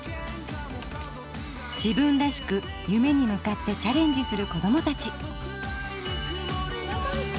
自分らしく夢に向かってチャレンジする子どもたち。